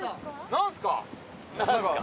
何すか？